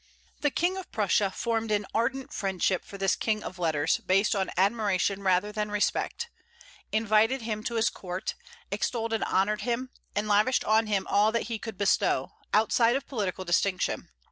The King of Prussia formed an ardent friendship for this king of letters, based on admiration rather than respect; invited him to his court, extolled and honored him, and lavished on him all that he could bestow, outside of political distinction.